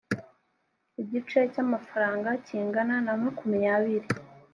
igice cy amafaranga kingana na makumyabiri